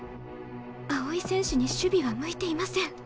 青井選手に守備は向いていません。